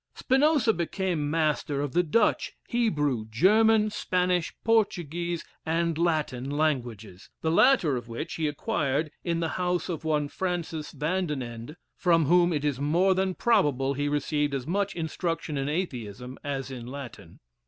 Spinoza became master of the Dutch, Hebrew, German, Spanish, Portuguese, and Latin languages, the latter of which he acquired in the house of one Francis Van den Ende, from whom it is more than probable he received as much instruction in Atheism as in Latin.